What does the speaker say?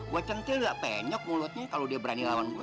wacengcil gak penyok mulutnya kalo dia berani lawan gue